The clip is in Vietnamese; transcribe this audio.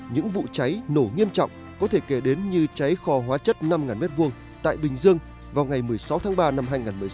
những vụ cháy nổ nghiêm trọng có thể kể đến như cháy kho hóa chất năm m hai tại bình dương vào ngày một mươi sáu tháng ba năm hai nghìn một mươi sáu